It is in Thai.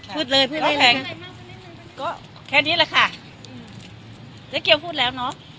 พูดเลยแค่นี้แหละค่ะเจ๊เกี๊ยวพูดแล้ว